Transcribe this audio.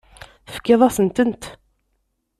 Tefkiḍ-asent-tent.